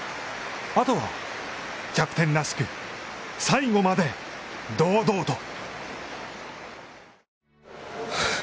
あとは、キャプテンらしく、最後まで堂々と。